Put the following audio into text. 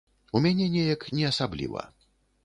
У мяне неяк не асабліва.